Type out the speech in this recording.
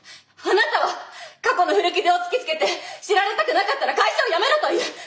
あなたは過去の古傷を突きつけて知られたくなかったら会社を辞めろという。